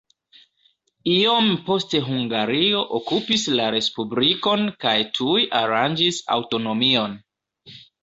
Iom poste Hungario okupis la respublikon kaj tuj aranĝis aŭtonomion.